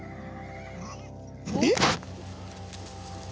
えっ！